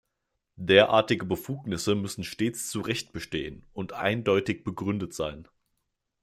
Derartige Befugnisse müssen stets zu Recht bestehen und eindeutig begründet sein.